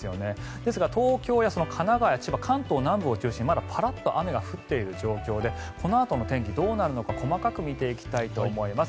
ですが東京や神奈川、千葉関東南部を中心にまだパラッと雨が降っている状況でこのあとの天気どうなるのか細かく見ていきたいと思います。